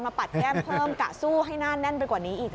ปัดแก้มเพิ่มกะสู้ให้หน้าแน่นไปกว่านี้อีก